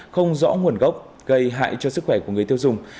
không rõ nguồn gốc gây hại cho sức khỏe của người tiêu dùng